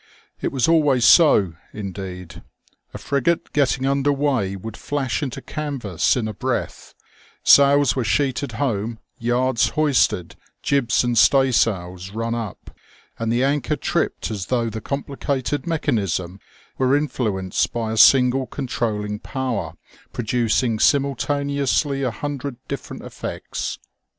It was always so, indeed; a frigate getting under weigh would flash into canvas in a breath ; sails were sheeted home, yards hoisted, jibs and staysails run up, and the anchor tripped as though the complicated mechanism were influenced by a single controlling power producing simultaneously a hundred different effects.